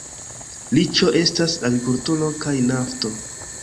Riĉo estas agrikulturo kaj nafto.